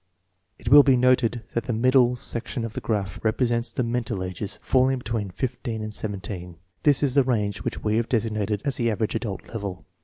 It will be noted that the middle section of the graph represents the " mental ages " falling between 15 and 17. This is the range which we have designated as the " average adult " level.